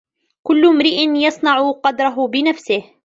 كل إمريء يصنع قدرهُ بنفسه.